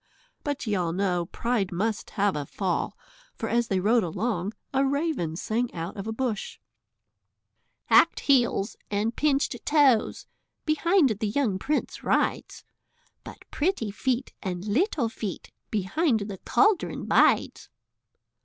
But ye all know, pride must have a fall, for as they rode along a raven sang out of a bush "Hackèd Heels and Pinchèd Toes Behind the young prince rides, But Pretty Feet and Little Feet Behind the cauldron bides."